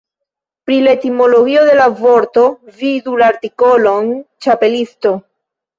Pri la etimologio de la vorto vidu la artikolon "ĉarpentisto".